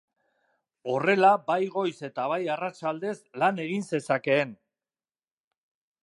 Horrela bai goiz eta bai arratsaldez lan egin zezakeen.